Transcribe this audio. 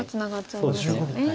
そうですね。